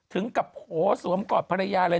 ถึงกับโหสวมกอดภรรยาเลย